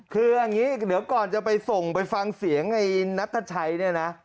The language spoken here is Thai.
คืออย่างนี้เดี๋ยวก่อนจะไปส่งไปฟังเสียงไอ้นัทชัยเนี่ยนะ